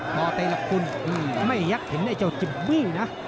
มอเตะราคุณไม่ยักต์เห็นไอเจ้าจิปวี่นะ